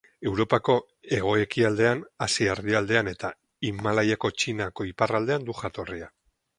Europako hego-ekialdean, Asia erdialdean eta Himalaiako Txinako iparraldean du jatorria.